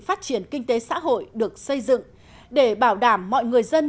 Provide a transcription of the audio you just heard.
phát triển kinh tế xã hội được xây dựng để bảo đảm mọi người dân